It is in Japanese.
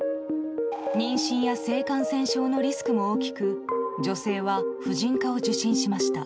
妊娠や性感染症のリスクも大きく女性は婦人科を受診しました。